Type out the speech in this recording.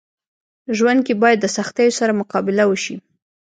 ژوند کي باید د سختيو سره مقابله وسي.